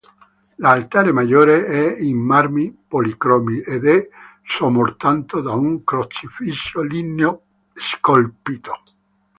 L'altare maggiore è in marmi policromi ed è sormontato da un "Crocifisso" ligneo scolpito.